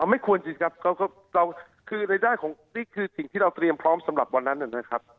ไม่ควรจริงครับนี่คือสิ่งที่เราเตรียมพร้อมสำหรับวันนั้นนะครับ